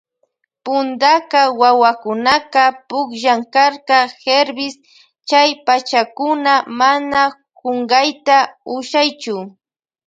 Puntaka wawakunaka punllan karka Hervis chay pachakuna mana kunkayta ushaychu.